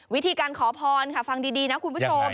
วิธีการขอพรค่ะฟังดีนะคุณผู้ชม